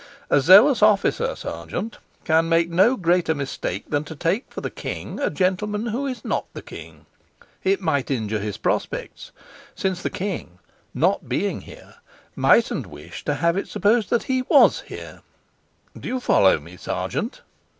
"A zealous officer, sergeant, can make no greater mistake than to take for the king a gentleman who is not the king. It might injure his prospects, since the king, not being here, mightn't wish to have it supposed that he was here. Do you follow me, sergeant?"